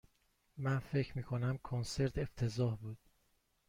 من فکر می کنم کنسرت افتضاح بود.